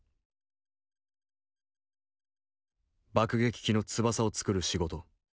爆撃機の翼を作る仕事。